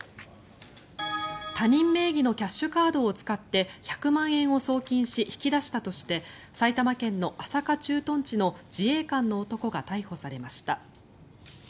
他人名義のキャッシュカードを使って１００万円を送金し引き出したとして埼玉県の朝霞駐屯地の自衛官の男が逮捕されました。